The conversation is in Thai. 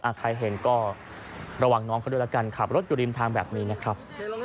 ใครเห็นก็ระวังน้องเขาด้วยแล้วกันขับรถอยู่ริมทางแบบนี้นะครับ